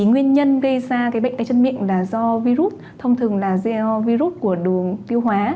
nguyên nhân gây ra bệnh tay chân miệng là do virus thông thường là do virus của đường tiêu hóa